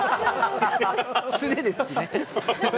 素手ですしね。